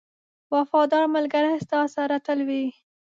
• وفادار ملګری ستا سره تل وي.